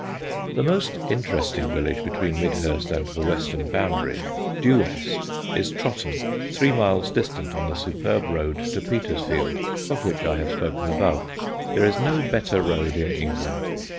The most interesting village between Midhurst and the western boundary, due west, is Trotton, three miles distant on the superb road to Petersfield, of which I have spoken above. There is no better road in England.